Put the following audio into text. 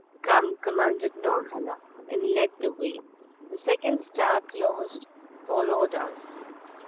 "Come!" commanded Norhala, and led the way. The second star closed, followed us.